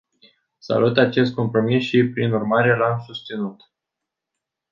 Salut acest compromis și, prin urmare, l-am susținut.